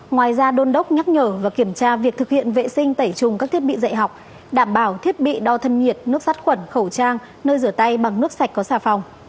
ngoài ra đôn đốc nhắc nhở và kiểm tra việc thực hiện vệ sinh tẩy trùng các thiết bị dạy học đảm bảo thiết bị đo thân nhiệt nước sát khuẩn khẩu trang nơi rửa tay bằng nước sạch có xà phòng